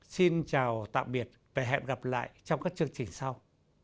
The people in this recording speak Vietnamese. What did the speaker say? xin chào tạm biệt và hẹn gặp lại trong các chương trình sau